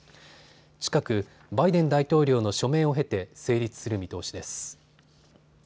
近くバイデン大統領の署名を経て成立する見通しです。